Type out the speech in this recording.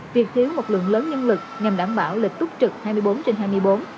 việc thiếu một lượng lớn nhân lực nhằm đảm bảo lịch túc trực hai mươi bốn trên hai mươi bốn